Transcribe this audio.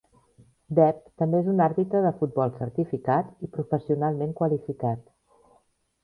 Dev també és un àrbitre de futbol certificat i professionalment qualificat.